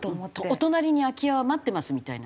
「お隣に空き家は待ってます」みたいな。